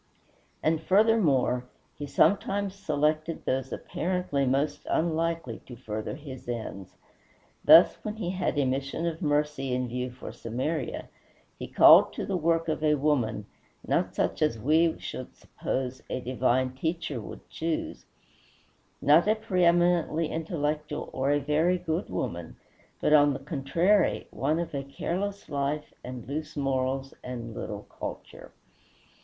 And, furthermore, he sometimes selected those apparently most unlikely to further his ends. Thus, when he had a mission of mercy in view for Samaria, he called to the work a woman; not such as we should suppose a divine teacher would choose, not a preëminently intellectual or a very good woman, but, on the contrary, one of a careless life, and loose morals, and little culture.